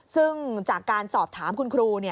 ซึ่งจากการสอบถามคุณครู